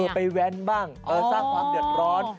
ไปแว้นบ้างสร้างความเดือดร้อน